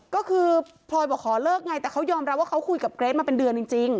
ก็คือพลอยบอกขอเลิกไงแต่เขายอมรับว่าเขาคุยกับเกรทมาเป็นเดือนจริง